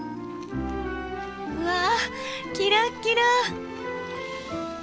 うわキラッキラ！